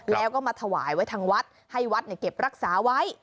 แล้วก็มาถวายไว้ทางวัดให้วัดเก็บรักษาไว้